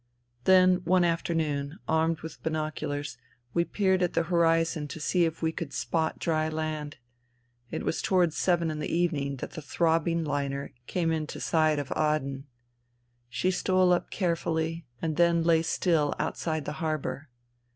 ... Then, one afternoon, armed with binoculars, we NINA 235 peered' at the horizon to see if we could spot dry Ir.nd. It was towards seven in the evening that the throbbing hner came into sight of Aden. She stole up carfifuUy, and then lay still outside the harbour.